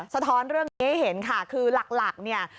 สะท้อนเรื่องนี้ให้เห็นค่ะคือหลักเนี่ย